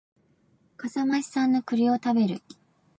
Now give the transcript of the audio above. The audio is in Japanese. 笠間市産の栗を食べる